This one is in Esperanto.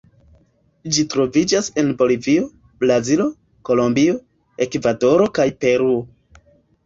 Ĝi troviĝas en Bolivio, Brazilo, Kolombio, Ekvadoro kaj Peruo.